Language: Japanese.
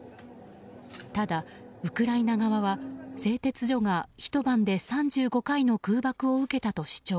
ただ、ウクライナ側は製鉄所がひと晩で３５回の空爆を受けたと主張。